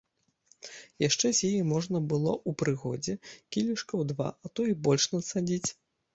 Яшчэ з яе можна было ў прыгодзе кілішкаў два, а то й больш нацадзіць.